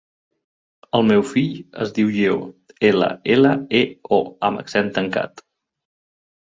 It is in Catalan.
El meu fill es diu Lleó: ela, ela, e, o amb accent tancat.